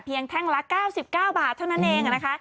เพียงแท่งละ๙๙บาทเท่านั้นเอง